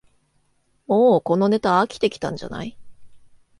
もうこのネタ飽きてきたんじゃない